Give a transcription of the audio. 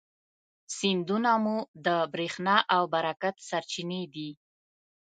سیندونه مو د برېښنا او برکت سرچینې دي.